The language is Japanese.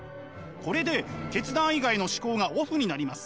これで決断以外の思考がオフになります。